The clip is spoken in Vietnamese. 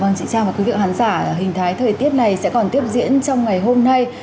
vâng chị trang và quý vị khán giả hình thái thời tiết này sẽ còn tiếp diễn trong ngày hôm nay